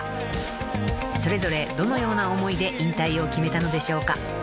［それぞれどのような思いで引退を決めたのでしょうか］